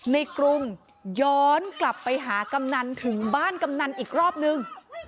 กรุงย้อนกลับไปหากำนันถึงบ้านกำนันอีกรอบนึง